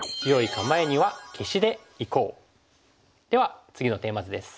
では次のテーマ図です。